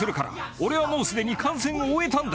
俺はもうすでに感染を終えたんだ。